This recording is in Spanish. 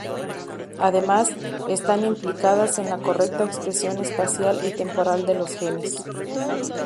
Además, están implicadas en la correcta expresión espacial y temporal de los genes.